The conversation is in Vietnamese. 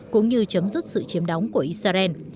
cũng như chấm dứt sự chiếm đóng của israel